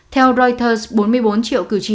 theo reuters bốn mươi bốn triệu cử tri hàn quốc